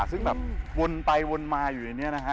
ซึ่งวนไปวนมาอยู่ดีนี้นะครับ